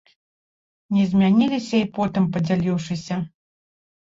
Не змяніліся і потым, падзяліўшыся.